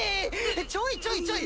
ちょいちょいちょい！